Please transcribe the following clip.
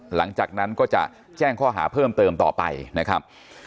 หลังจากนั้นก็จะแจ้งข้อหาเพิ่มเติมต่อไปนะครับ